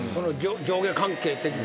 上下関係的な。